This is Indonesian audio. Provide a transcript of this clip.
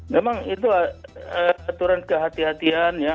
memang itu aturan ke hati hatian ya